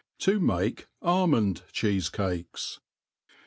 To make Almond Cheefecakes.